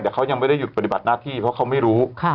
แต่เขายังไม่ได้หยุดปฏิบัติหน้าที่เพราะเขาไม่รู้